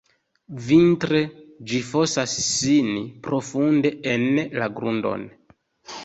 Vintre ĝi fosas sin profunde en la grundon.